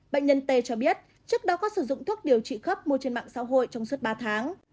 bệnh nhân t cho biết trước đó có sử dụng thuốc điều trị khớp mua trên mạng xã hội trong suốt ba tháng